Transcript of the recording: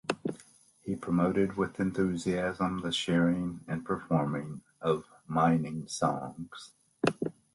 He promoted with enthusiasm the sharing and performing of mining songs.